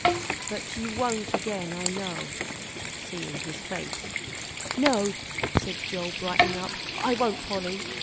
"But you won't again, I know," seeing his face. "No," said Joel, brightening up, "I won't, Polly.